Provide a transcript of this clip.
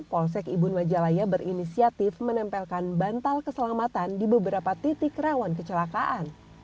polsek ibun majalaya berinisiatif menempelkan bantal keselamatan di beberapa titik rawan kecelakaan